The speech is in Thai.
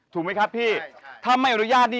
ถูกมั้ยครับพี่